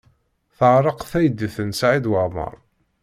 Teɛreq teydit n Saɛid Waɛmaṛ.